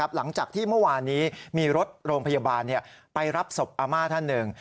หลังจากที่เมื่อวานนี้มีรถโรงพยาบาลไปรับศพอาม่าท่านหนึ่ง